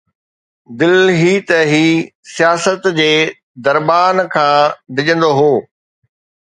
دل هي ته هي سياست جي دربان کان ڊڄندو هو